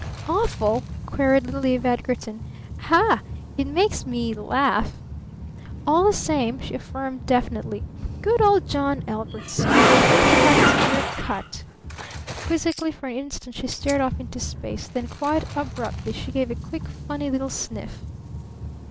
"Awful?" queried little Eve Edgarton. "Ha! It makes me laugh. All the same," she affirmed definitely, "good old John Ellbertson will have to have his beard cut." Quizzically for an instant she stared off into space, then quite abruptly she gave a quick, funny little sniff.